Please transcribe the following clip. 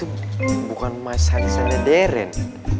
tika itu bukan mas hadesannya deren